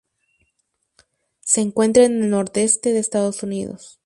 Se encuentra en el nordeste de Estados Unidos.